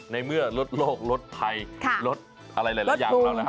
ในเมื่อลดโรคลดไพรลดอะไรหลายอย่างแล้วนะครับ